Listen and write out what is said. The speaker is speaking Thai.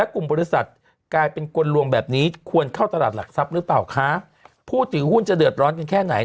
กลายเป็นกลวงแบบนี้ควรเข้าตลาดหลักทรัพย์หรือเปล่าคะพูดถึงหุ้นจะเดิดร้อนกันแค่ไหน